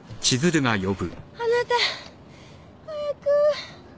あなた。早く！